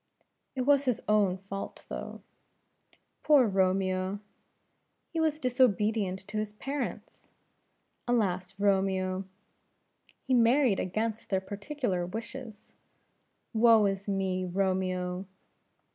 "It was his own fault though." "Poor Romeo!" "He was disobedient to his parents." "Alas Romeo!" "He married against their particular wishes." "Woe is me, Romeo!"